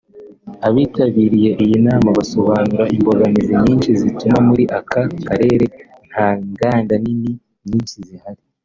Abitabiriye iyi nama basobanura imbogamizi nyinshi zituma muri aka karere nta nganda nini nyinshi zihari